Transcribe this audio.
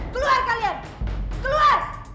keluar kalian keluar